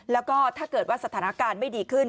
แล้วก็ถ้าเกิดว่าสถานการณ์ไม่ดีขึ้น